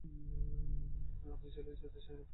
আমি জেলে যেতে চাই না, ডিজ।